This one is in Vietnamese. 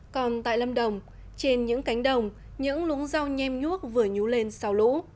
còn tại lâm đồng trên những cánh đồng những lũng rau nhem nhuốc vừa nhú lên xào lũ